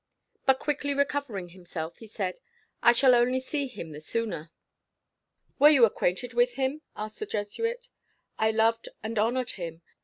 But quickly recovering himself, he said, "I shall only see him the sooner." "Were you acquainted with him?" asked the Jesuit. "I loved and honoured him.